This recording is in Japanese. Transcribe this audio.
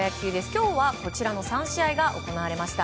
今日はこちらの３試合が行われました。